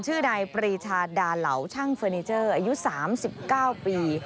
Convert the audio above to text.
ชื่อนายปรีชาดาเหล่าช่างเฟอร์นิเจอร์อายุ๓๙ปี